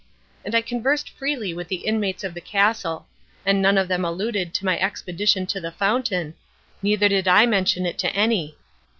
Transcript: And I conversed freely with the inmates of the castle; and none of them alluded to my expedition to the fountain, neither did I mention it to any.